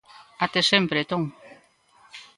Até sempre, Tom.